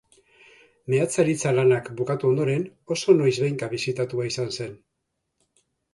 Meatzaritza lanak bukatu ondoren, oso noizbehinka bisitatua izan zen.